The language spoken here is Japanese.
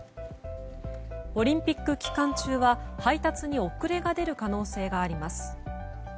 オリンピック期間中は配達に遅れが出る可能性があります。